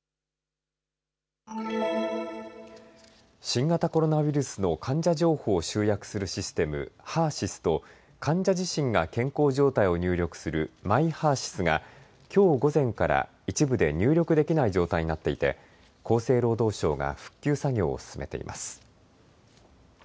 新型コロナウイルスの患者情報を集約するシステム、ＨＥＲーＳＹＳと患者自身が健康状態を入力するＭｙＨＥＲ−ＳＹＳがきょう午前から一部で入力できない状態になっていて厚生労働省が復旧作業を進めています。